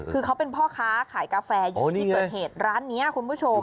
คือเขาเป็นพ่อค้าขายกาแฟอยู่ที่เกิดเหตุร้านนี้คุณผู้ชม